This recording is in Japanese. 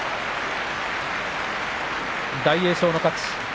大栄翔の勝ち。